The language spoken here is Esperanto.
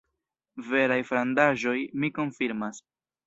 Veraj frandaĵoj, mi konfirmas.